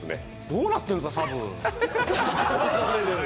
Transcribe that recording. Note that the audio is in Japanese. どうなってんですか、サブ。